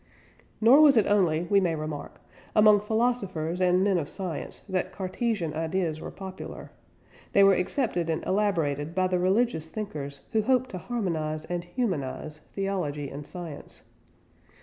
Nor was it only, we may remark, among philosophers and men of science that Cartesian ideas were popular; they were accepted and elaborated by the religious thinkers who hoped to harmonise and humanise theology and science.